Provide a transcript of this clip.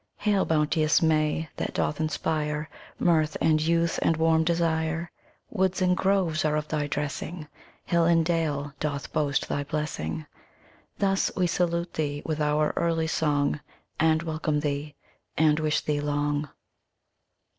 Hail, bounteous May, that doth inspire Mirth, and youth, and warm desire; Woods and groves are of thy dressing. Hill and dale doth boast thy blessing. Thus we salute thee with our early song, And welcome thee, and wish thee long.